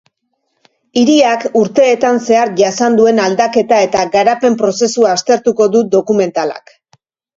Hiriak urteetan zehar jasan duen aldaketa eta garapen prozesua aztertuko du dokumentalak.